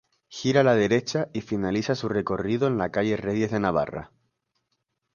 Gira a la derecha y finaliza su recorrido en la Calle Reyes de Navarra.